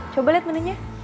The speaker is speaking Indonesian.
coba liat menunya